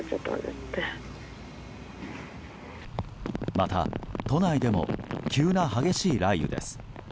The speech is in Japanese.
また、都内でも急な激しい雷雨です。